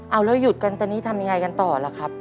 เอาแล้วหยุดกันตอนนี้ทำยังไงกันต่อล่ะครับ